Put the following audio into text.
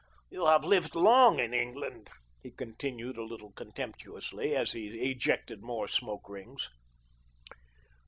You have lived long in England," he continued a little contemptuously, as he ejected more smoke rings.